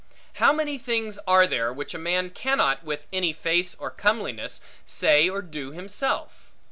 How many things are there which a man cannot, with any face or comeliness, say or do himself?